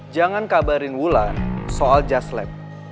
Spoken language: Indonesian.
jangan kabarin wulan soal just lab